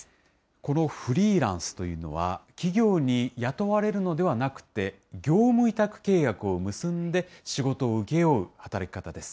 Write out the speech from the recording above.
このフリーランスというのは、企業に雇われるのではなくて、業務委託契約を結んで、仕事を請け負う働き方です。